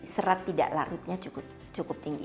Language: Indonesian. serat tidak larutnya cukup tinggi